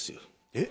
えっ？